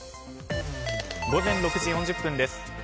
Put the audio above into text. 午前６時４０分です。